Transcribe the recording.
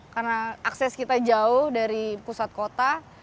karena akses kita jauh dari pusat kota